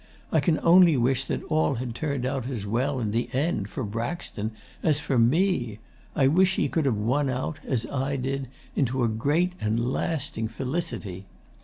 I can only wish that all had turned out as well, in the end, for Braxton as for me. I wish he could have won out, as I did, into a great and lasting felicity.